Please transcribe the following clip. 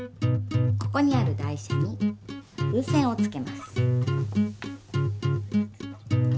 ここにある台車に風船をつけます。